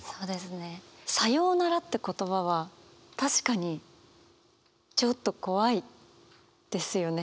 「さようなら」って言葉は確かにちょっと怖いですよね。